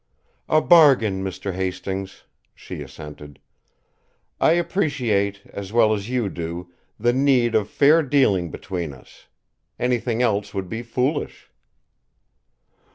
"A bargain, Mr. Hastings," she assented. "I appreciate, as well as you do, the need of fair dealing between us. Anything else would be foolish."